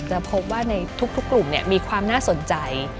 จะพบว่าในทุกกลุ่มมีความน่าสนใจ